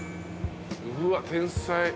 うわっ天才。